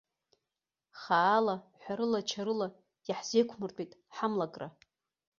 Хаа-ла, ҳәарыла-чарыла иаҳзеиқәмыртәеит ҳамлакра.